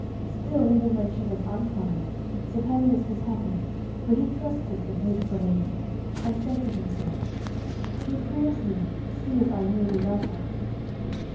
Still even when she was unkind, Sir Pelleas was happy, for he trusted the beautiful lady, and said to himself, 'She proves me, to see if I really love her.'